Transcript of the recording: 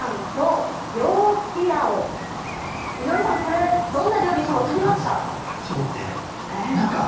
井上さん、これ、どんな料理か分かりますか？